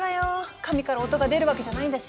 紙から音が出るわけじゃないんだし。